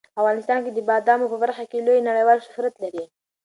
افغانستان د بادامو په برخه کې لوی نړیوال شهرت لري.